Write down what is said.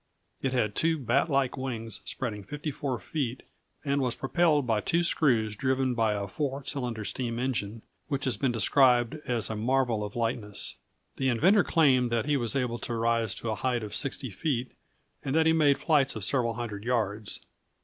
It had two bat like wings spreading 54 feet, and was propelled by two screws driven by a 4 cylinder steam engine which has been described as a marvel of lightness. The inventor claimed that he was able to rise to a height of 60 feet, and that he made flights of several hundred yards.